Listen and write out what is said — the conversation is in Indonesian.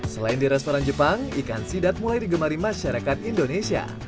selain di restoran jepang ikan sidap mulai digemari masyarakat indonesia